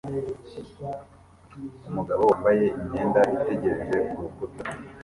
Umugabo wambaye imyenda itegereje kurukuta